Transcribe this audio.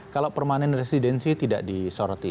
kalau permanent residency tidak disoroti